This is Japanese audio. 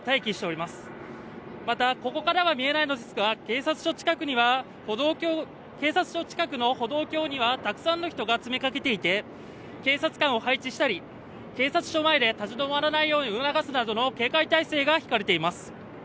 また、ここからは見えないのですが警察署近くの歩道橋にはたくさんの人が詰めかけていて警察官を配置したり警察署前で立ち止まらないように促すなどの警戒態勢が敷かれています。